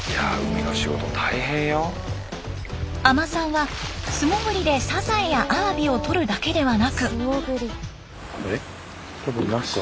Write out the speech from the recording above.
海人さんは素潜りでサザエやアワビをとるだけではなく。